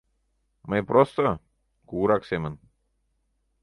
Мый просто... кугурак семын...